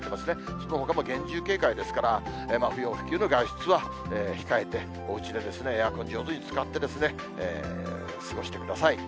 そのほかも厳重警戒ですから、不要不急の外出は控えて、おうちでエアコン上手に使ってですね、過ごしてください。